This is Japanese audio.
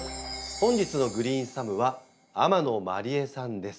本日のグリーンサムは天野麻里絵さんです。